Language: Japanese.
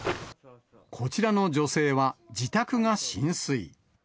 こちらの女性は、自宅が浸水。